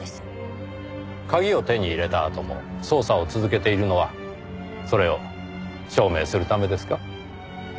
鍵を手に入れたあとも捜査を続けているのはそれを証明するためですか？